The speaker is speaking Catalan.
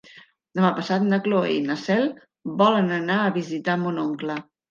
Demà passat na Cloè i na Cel volen anar a visitar mon oncle.